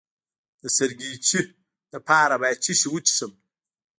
د سرګیچي لپاره باید څه شی وڅښم؟